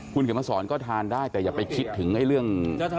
คุณเขียนมาสอนก็ทานได้แต่อย่าไปคิดถึงเรื่อง